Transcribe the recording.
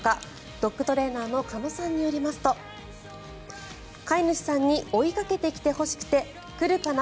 ドッグトレーナーの鹿野さんによりますと飼い主さんに追いかけてきてほしくて来るかな？